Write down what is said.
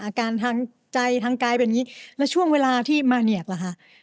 อาการทางใจทางกายเป็นอย่างนี้แล้วช่วงเวลาที่มาเหนียกล่ะค่ะ